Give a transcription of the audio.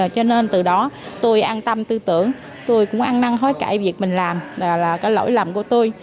cho nên từ đó tôi an tâm tư tưởng tôi cũng ăn năng hối cãi việc mình làm và là cái lỗi lầm của tôi